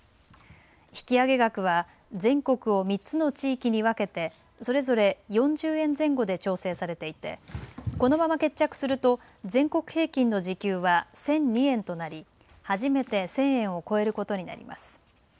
引き上げ額は全国を３つの地域に分けてそれぞれ４０円前後で調整されていてこのまま決着すると全国平均の時給は１００２円となり初めて１０００円を超えることになります。